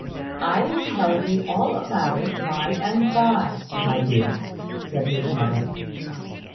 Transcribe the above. "I will tell you all about it by and by, my dear," said his mother.